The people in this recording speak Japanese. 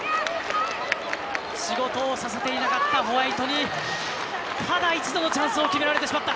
仕事をさせていなかったホワイトにただ一度のチャンスを決められてしまった。